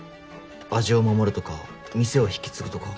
味を守るとか店を引き継ぐとか。